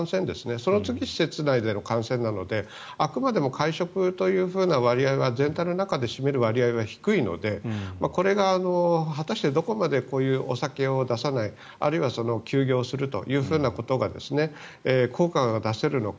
その次に施設内での感染なのであくまでも会食という割合は全体の中で占める割合は低いのでこれが果たしてどこまでこういうお酒を出さないあるいは休業するということが効果を出せるのか。